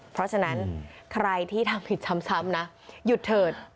เพราะฉะนั้นใครที่ทำผิดซ้ำนะหยุดเถิด